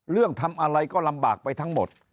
ทำอะไรก็ลำบากไปทั้งหมด